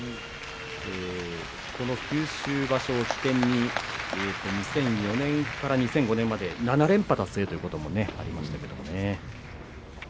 この九州場所を起点に２００４年から２００５年まで７連覇を達成しました。